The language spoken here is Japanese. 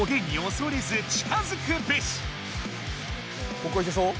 ここいけそう？